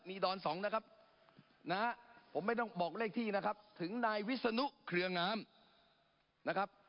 ดอนสองนะครับนะฮะผมไม่ต้องบอกเลขที่นะครับถึงนายวิศนุเครืองามนะครับ